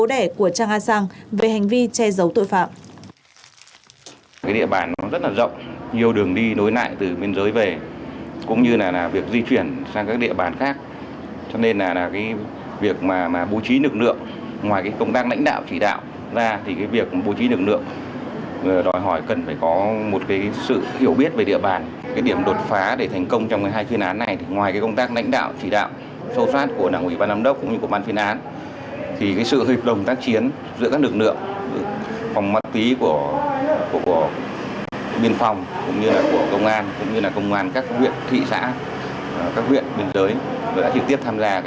trang a sang là bố đẻ của trang a sang về hành vi che giấu tội phạm